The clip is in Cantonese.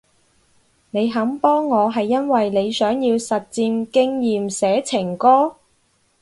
你肯幫我係因為你想要實戰經驗寫情歌？